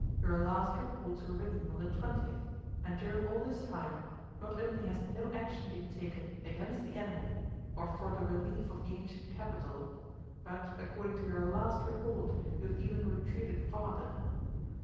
Your last reports were written on the twentieth, and during all this time not only has no action been taken against the enemy or for the relief of the ancient capital, but according to your last report you have even retreated farther.